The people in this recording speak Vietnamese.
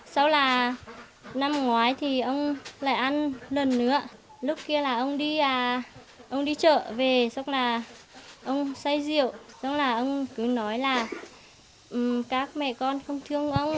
sau là năm ngoái thì ông lại ăn lần nữa lúc kia là ông đi ông đi chợ về xong là ông say rượu xong là ông cứ nói là các mẹ con không thương ông